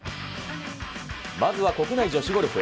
まずは国内女子ゴルフ。